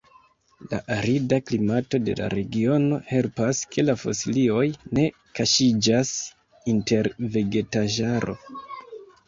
La arida klimato de la regiono helpas ke la fosilioj ne kaŝiĝas inter vegetaĵaro.